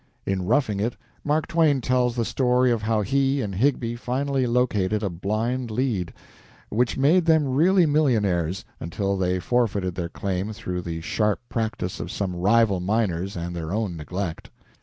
In "Roughing It" Mark Twain tells the story of how he and Higbie finally located a "blind lead," which made them really millionaires, until they forfeited their claim through the sharp practice of some rival miners and their own neglect.